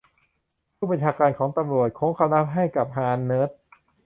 ผู้บัญชาการของตำรวจโค้งคำนับให้กับฮานเนิร์ด